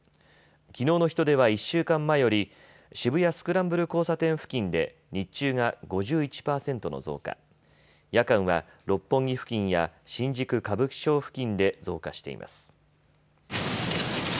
きのうの人出は１週間前より渋谷スクランブル交差点付近で日中が５１％の増加、夜間は六本木付近や新宿歌舞伎町付近で増加しています。